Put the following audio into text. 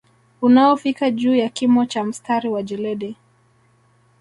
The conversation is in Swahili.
Unaofika juu ya kimo cha mstari wa jeledi